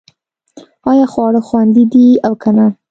ایا خواړه خوندي دي او که نه